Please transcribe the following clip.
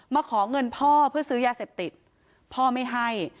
ขอเงินพ่อเพื่อซื้อยาเสพติดพ่อไม่ให้